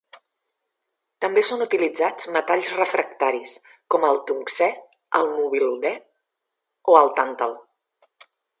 També són utilitzats metalls refractaris com el tungstè, el molibdè o el tàntal.